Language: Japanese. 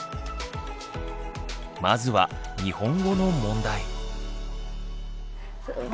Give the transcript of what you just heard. まずは日本語の問題。